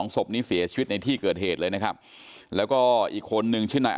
ศพนี้เสียชีวิตในที่เกิดเหตุเลยนะครับแล้วก็อีกคนนึงชื่อนาย